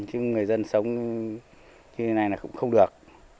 chứ người dân sống như thế này là cũng không được